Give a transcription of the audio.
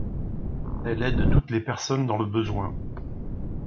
Elle aide toutes les personnes dans le besoin.